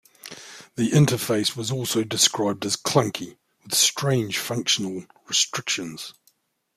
The interface was also described as "clunky", with "strange functional restrictions".